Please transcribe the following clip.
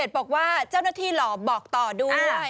บอกว่าเจ้าหน้าที่หล่อบอกต่อด้วย